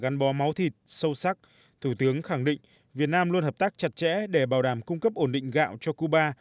gắn bó máu thịt sâu sắc thủ tướng khẳng định việt nam luôn hợp tác chặt chẽ để bảo đảm cung cấp ổn định gạo cho cuba